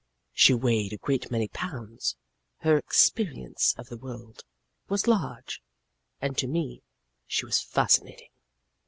She weighed a great many pounds. Her experience of the world was large, and to me she was fascinating.